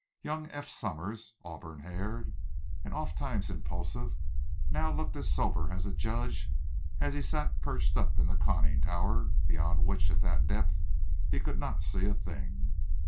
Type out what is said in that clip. Young Eph Somers, auburn haired and ofttimes impulsive, now looked as sober as a judge as he sat perched up in the conning tower, beyond which, at that depth, he could not see a thing.